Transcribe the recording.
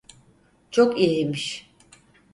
Çok iyiymiş.